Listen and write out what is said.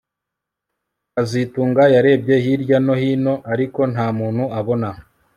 kazitunga yarebye hirya no hino ariko nta muntu abona